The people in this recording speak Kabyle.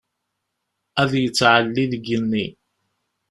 Ad yettɛelli deg igenni.